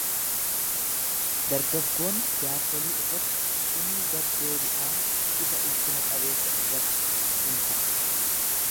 Dargaggoonni jaarsolii irratti, inni gad deebi'aan isa ulfina-qabeessa irratti in ka'a.